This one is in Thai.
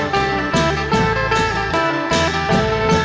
สุดท้ายสุดท้าย